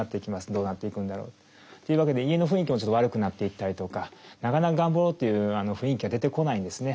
どうなっていくんだろう。というわけで家の雰囲気もちょっと悪くなっていったりとかなかなか頑張ろうという雰囲気が出てこないんですね。